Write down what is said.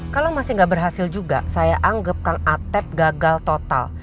kalau masih nggak berhasil juga saya anggap kang atep gagal total